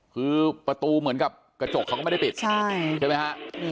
คือประตูเหมือนกับกระจกเขาก็ไม่ได้ปิดใช่ไหมฮะ